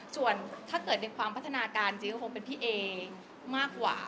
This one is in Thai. ส่วนถ้าเกิดในความพัฒนาการจริงก็คงเป็นพี่เอมากกว่า